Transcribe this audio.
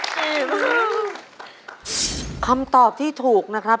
ก็คือคำตอบที่ถูกนะครับ